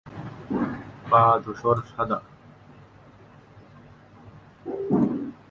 পা ধূসর সাদা।